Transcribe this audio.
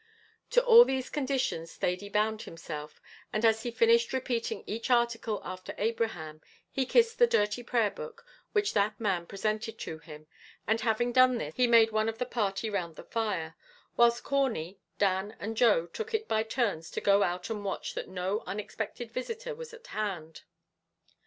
To all these conditions Thady bound himself, and as he finished repeating each article after Abraham, he kissed the dirty prayer book which that man presented to him; and having done this, he made one of the party round the fire, whilst Corney, Dan, and Joe took it by turns to go out and watch that no unexpected visitor was at hand.